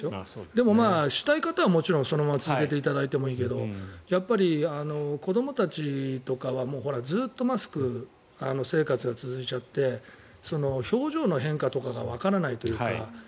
でも、したい方はもちろんそのまま続けていただいてもいいけどやっぱり子どもたちとかはずっとマスク生活が続いちゃって表情の変化とかがわからないというか。